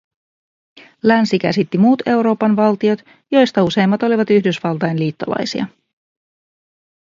Länsi käsitti muut Euroopan valtiot, joista useimmat olivat Yhdysvaltain liittolaisia